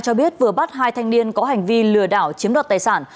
cho biết vừa bắt hai thanh niên có hành vi lừa đảo chiếm đoạt tài sản